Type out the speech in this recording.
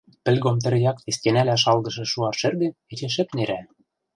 Пӹлгом тӹр якте стенӓлӓ шалгышы Шуар шӹргӹ эче шӹп нерӓ.